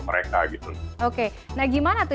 mereka gitu oke nah gimana tuh